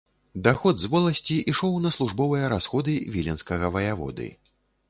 Даход з воласці ішоў на службовыя расходы віленскага ваяводы.